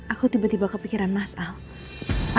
aku beauty spesialnya aja